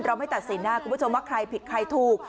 ไม่ตัดสินนะคุณผู้ชมว่าใครผิดใครถูก